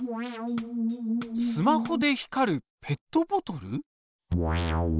スマホで光るペットボトル？